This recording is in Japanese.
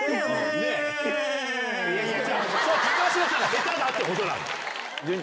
それ高嶋さんが下手だってことなの？